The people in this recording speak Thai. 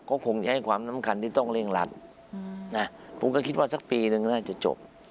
ก็คงจะให้ความสำคัญที่ต้องเร่งรัดนะผมก็คิดว่าสักปีนึงน่าจะจบ